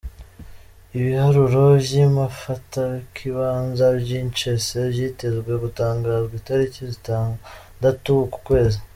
Ibiharuro vy'imafatakibanza vy'icese vyitezwe gutangazwa itariki zitandatu uku kwezi.